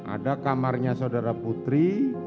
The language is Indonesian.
ada kamarnya saudara putri